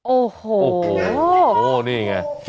โอ้โหนี่อย่างไร